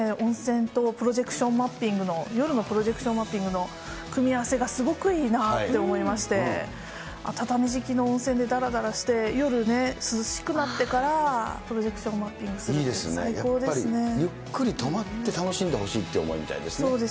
私もね、温泉とプロジェクションマッピングの、夜のプロジェクションマッピングの組み合わせがすごくいいなって思いまして、畳敷きの温泉でだらだらして、夜ね、涼しくなってからプロジェクションマッピいいですね、やっぱり、ゆっくり泊まって楽しんでもらいたいって思いみたいですね。